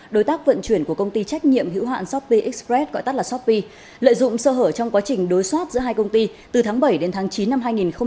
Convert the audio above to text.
lợi dụng sơ hở trong quá trình đối soát giữa hai công ty từ tháng bảy đến tháng chín năm hai nghìn hai mươi hai